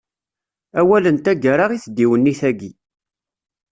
Awal n taggara i tdiwennit-agi.